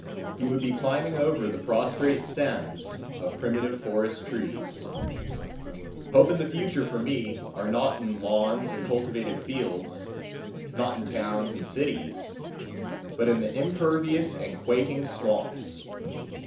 He would be climbing over the prostrate stems of primitive forest trees. Hope and the future for me are not in lawns and cultivated fields, not in towns and cities, but in the impervious and quaking swamps.